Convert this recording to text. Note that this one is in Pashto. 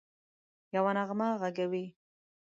یوه نغمه ږغوي